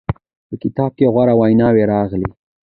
په کتاب کې غوره ویناوې راغلې.